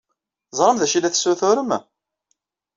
Teẓram d acu ay la tessuturem?